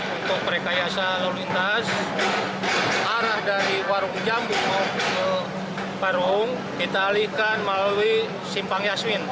untuk rekayasa lalu lintas arah dari warung jambi ke warung kita alihkan melalui simpang yasmin